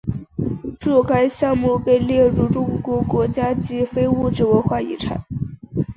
若干项目被列入中国国家级非物质文化遗产。